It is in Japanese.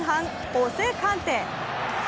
ホセ・カンテ！